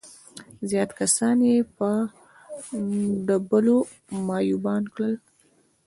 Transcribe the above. زيات کسان يې په ډبولو معيوبان کړل.